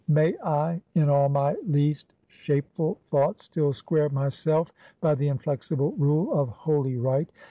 May I, in all my least shapeful thoughts still square myself by the inflexible rule of holy right.